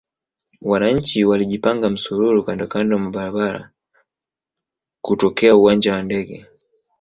Wananchi walijipanga msururu kandokando mwa barabara kutokea uwanja wa ndege